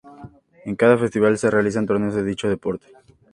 En cada festival se realizan torneos de dicho deporte.